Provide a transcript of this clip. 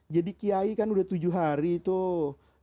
jadi kiai kan udah tujuh hari tuh